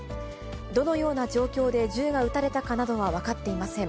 どのような状況で銃が撃たれたかなどは分かっていません。